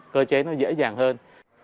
cơ chế nó dễ dàng hơn